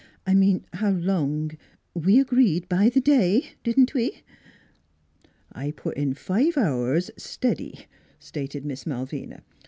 " I mean how long we agreed by the day, didn't we?" " I put in five hours, stiddy," stated Miss Mal vina.